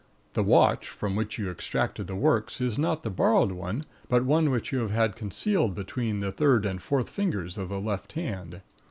The watch from which you extract the works is not the borrowed one, but one which you have had concealed between the third and fourth fingers of the left hand.